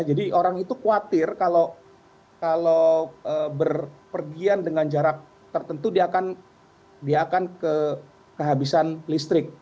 jadi orang itu khawatir kalau berpergian dengan jarak tertentu dia akan kehabisan listrik